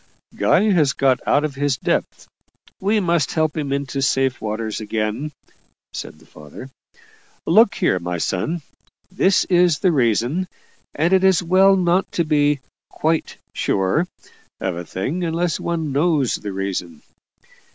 "Guy has got out of his depth we must help him into safe waters again," said the father. "Look here, my son, this is the reason and it is well not to be 'quite sure' of a thing unless one knows the reason.